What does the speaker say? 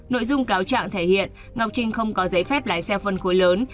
nội dung cáo trạng thể hiện ngọc trinh không có giấy phép lái xe phân khối lớn